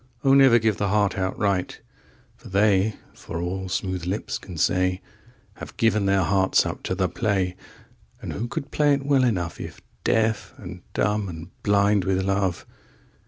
8O never give the heart outright,9For they, for all smooth lips can say,10Have given their hearts up to the play.11And who could play it well enough12If deaf and dumb and blind with love?